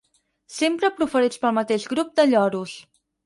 Sempre proferits pel mateix grup de lloros.